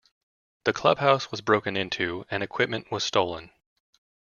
The clubhouse was broken into and equipment was stolen.